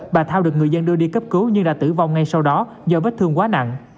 bà thao được người dân đưa đi cấp cứu nhưng đã tử vong ngay sau đó do vết thương quá nặng